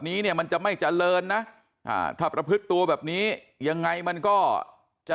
นี้เนี่ยมันจะไม่เจริญนะถ้าประพฤติตัวแบบนี้ยังไงมันก็จะ